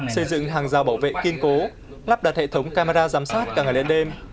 xây dựng hàng rào bảo vệ kiên cố lắp đặt hệ thống camera giám sát cả ngày đêm